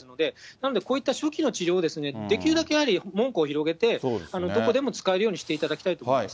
なので、こういった初期の治療を、できるだけやはり、門戸を広げてどこでも使えるようにしていただきたいと思います。